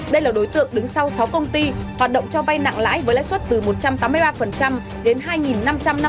đây là đối tượng đứng sau sáu công ty hoạt động cho vay nặng lãi với lẽ suất từ một trăm tám mươi ba đến hai năm trăm năm mươi năm một năm